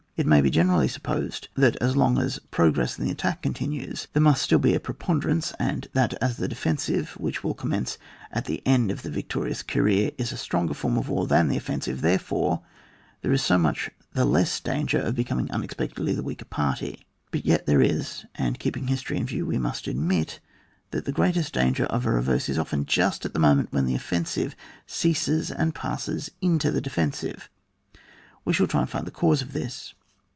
It may be generally supposed that as long as progress in the attack continues, there must still be a preponderance ; and, that as the defensive, which will commence at the end of the victorious career, is a stronger form of war than the offensive, therefore, there is so much the less danger of becoming unexpectedly the weaker party. But yet there is, and keeping history in view, we must admit that the greatest danger of a reverse is often just at the moment when the offensive ceases and passes into the defensive. We shall try to find the cause of this.